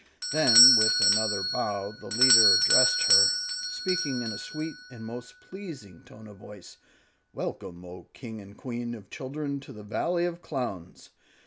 Then, with another bow, the leader addressed her, speaking in a sweet and most pleasing tone of voice, "Welcome, O King and Queen of Children, to the Valley of Clowns!